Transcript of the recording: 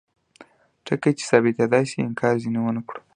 ټکي چې ثابتیدای شي انکار ځینې ونکړو.